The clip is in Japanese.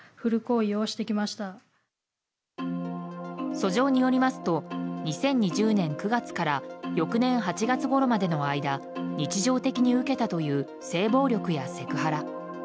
訴状によりますと２０２０年９月から翌年８月ごろまでの間日常的に受けたという性暴力やセクハラ。